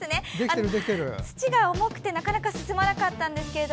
土が重くてなかなか進まなかったんですが